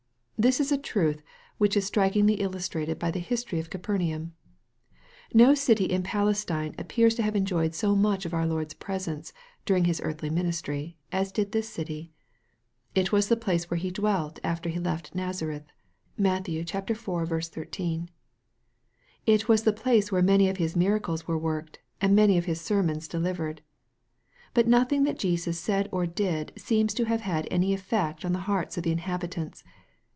This is a truth which is strikingly illustrated by the history of Capernaum. No city in Palestine appears to have enjoyed so much of our Lord's presence, during His earthly ministry, as did this city. It was the place where He dwelt, after He left Nazareth. (Matt. iv. 13.) It was the place where many of His miracles were worked, and many of His sermons delivered. But nothing that Jesus said or did seems to have had any effect on the hearts of the inhabitants.